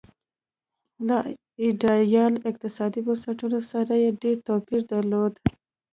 له ایډیال اقتصادي بنسټونو سره یې ډېر توپیر درلود.